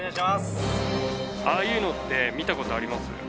ああいうのって見た事あります？